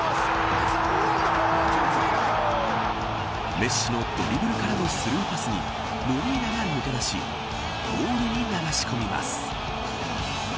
メッシのドリブルからのスルーパスにモリーナが抜け出しゴールに流し込みます。